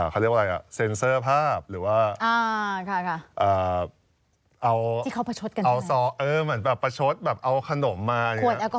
เขาเรียกว่าอะไรอะเซ็นเซอร์ภาพหรือว่าเอาเออมันแบบประชดแบบเอาขนมมา